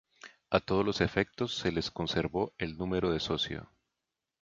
A todos los efectos se les conservó el número de socio.